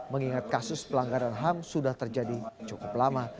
mengingat kasus pelanggaran ham sudah terjadi cukup lama